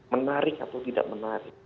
menarik atau tidak menarik